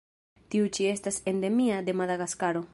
Tiu ĉi estas endemia de Madagaskaro.